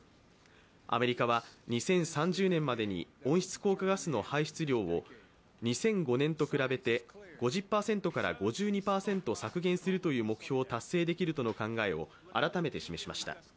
アメリカは２０３０年までに温室効果ガスの排出量を２００５年と比べて５０％から５２％削減するという目標を達成できるとの考えを改めて示しました。